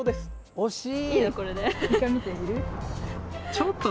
惜しい。